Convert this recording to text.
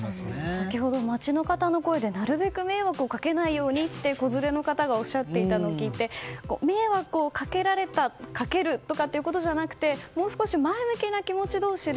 先ほど街の方の声でなるべく迷惑をかけないようにと子連れの方がおっしゃっていたのを聞いて迷惑をかけられた、かけるということじゃなくてもう少し前向きな気持ち同士で